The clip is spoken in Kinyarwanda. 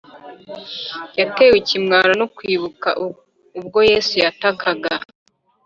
yatewe ikimwaro no kwibuka ubwo yesu yatakaga,